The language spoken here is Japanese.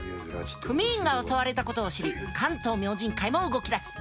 組員が襲われたことを知り関東明神会も動きだす。